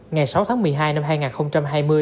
ngày sáu tháng một mươi hai năm hai nghìn hai mươi